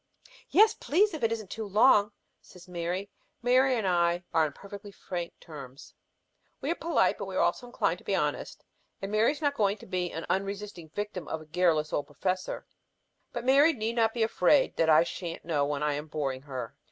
"Yes, please, if it isn't too long," says Mary. Mary and I are on perfectly frank terms. We are polite, but also inclined to be honest. And Mary is not going to be an unresisting victim of a garrulous old professor. But Mary need not be afraid that I sha'n't know when I am boring her.